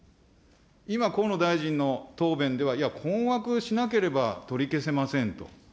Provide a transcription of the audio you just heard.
今、河野大臣の答弁では、いや、困惑しなければ取り消せませんと。